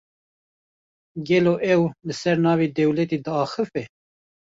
Gelo ew, li ser navê dewletê diaxife?